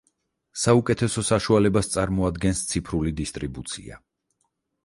საუკეთესო საშუალებას წარმოადგენს ციფრული დისტრიბუცია.